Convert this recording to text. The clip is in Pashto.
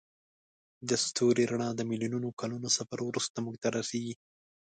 د ستوري رڼا د میلیونونو کلونو سفر وروسته موږ ته رسیږي.